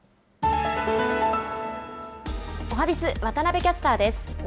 おはＢｉｚ、渡部キャスターです。